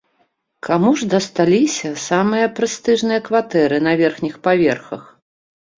Каму ж дасталіся самыя прэстыжныя кватэры на верхніх паверхах?